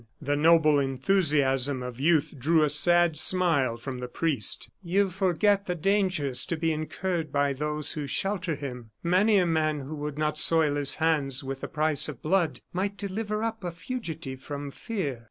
The noble enthusiasm of youth drew a sad smile from the priest. "You forget the dangers to be incurred by those who shelter him. Many a man who would not soil his hands with the price of blood might deliver up a fugitive from fear."